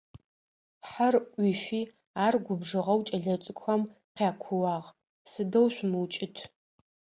Хьэр ӏуифи, ар губжыгъэу кӏэлэцӏыкӏухэм къякууагъ: Сыдэу шъумыукӏытӏ.